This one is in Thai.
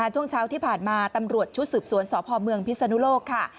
ช่วงเช้าที่ผ่านมาตำรวจชุดสืบสวนสพเมืองพิศนุโลกค่ะ